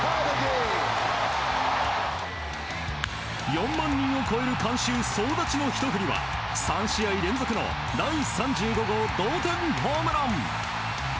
４万人を超える観衆総立ちのひと振りは３試合連続の第３５号同点ホームラン！